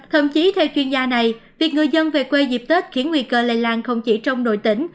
thậm chí theo chuyên gia này việc người dân về quê dịp tết khiến nguy cơ lây lan không chỉ trong nội tỉnh